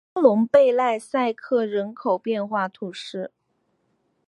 科隆贝莱塞克人口变化图示